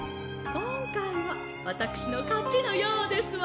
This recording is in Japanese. こんかいはわたくしのかちのようですわね。